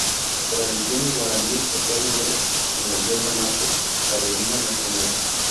Tradiciones guaraníes se pueden ver en la yerba mate, la bebida nacional.